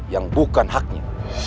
yang bukan haknya